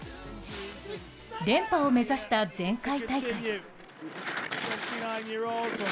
連覇を目指した前回大会。